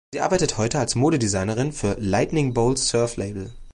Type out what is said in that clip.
Sie arbeitet heute als Modedesignerin für "Lightning Bolt Surf Label".